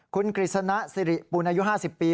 คุณกฤษณะปูนายุ๕๐ปี